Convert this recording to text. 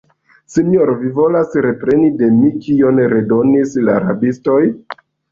sinjoro, vi volas repreni de mi, kion redonis la rabistoj?